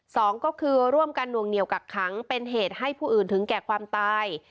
สองก็คือร่วมกันนวงเหนียวกักขังเป็นเหตุให้ผู้อื่นถึงแก่ความตาย